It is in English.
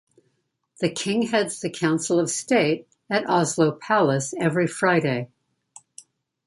The King heads the Council of State at Oslo Palace every Friday.